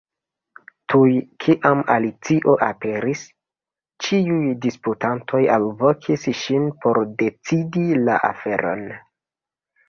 Tuj kiam Alicio aperis, ĉiuj disputantoj alvokis ŝin por decidi la aferon.